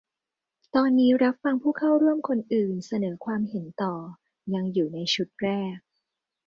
ตอนนี้รับฟังผู้เข้าร่วมคนอื่นเสนอความเห็นต่อ ยังอยู่ในชุดแรก